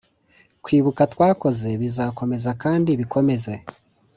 kwibuka twakoze bizakomeza kandi bikomeze.